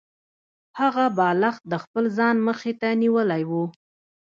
هغه بالښت د خپل ځان مخې ته نیولی و